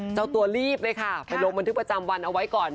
เจ้าตัวรีบเลยค่ะไปลงบันทึกประจำวันเอาไว้ก่อน